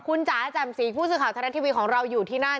คุณจ๋าแจ่มสีผู้สื่อข่าวไทยรัฐทีวีของเราอยู่ที่นั่น